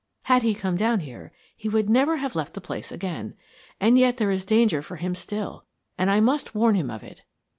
Had he come down here he would never have left the place again. And yet there is danger for him still, and I must warn him of it.